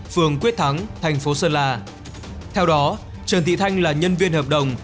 phường quyết thắng tp sơn la theo đó trần thị thanh là nhân viên hợp đồng